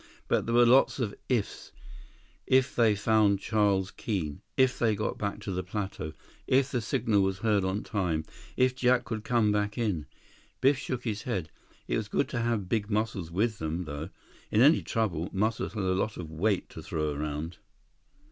But there were lots of "ifs"—if they found Charles Keene, if they got back to the plateau, if the signal was heard on time, if Jack could come back in. Biff shook his head. It was good to have big Muscles with them, though. In any trouble, Muscles had a lot of weight to throw around.